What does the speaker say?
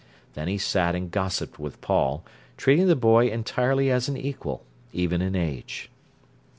Then he sat and gossiped with Paul, treating the boy entirely as an equal, even in age.